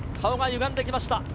顔がゆがんできました。